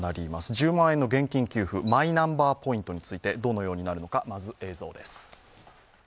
１０万円の現金給付マイナンバーポイントについてどのようになるのか映像です。